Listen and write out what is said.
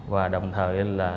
và đồng thời là